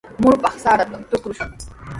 Murupaq sarata trurashun.